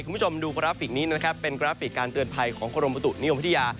คุณผู้ชมดูกราฟิกนี้นะครับเป็นกราฟิกการเตือนภัยของกรมบุตุนิยมวิทยา